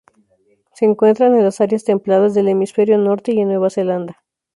Se encuentran en las áreas templadas del hemisferio norte y en Nueva Zelanda.